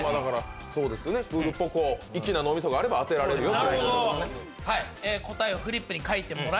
クールポコ、粋な脳みそがあれば当てられるよと。